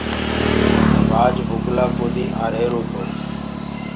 بآج بُگلآ ڪودي آرهيرو تو۔